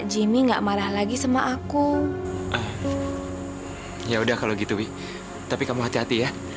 jangan lupa bukainya